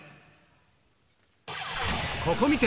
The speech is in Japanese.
ここ観て！